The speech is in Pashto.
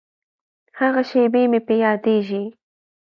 هغه شېبې مې په یادیږي.